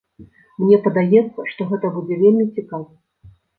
Мне падаецца, што гэта будзе вельмі цікавым.